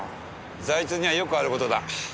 財津にはよくある事だ。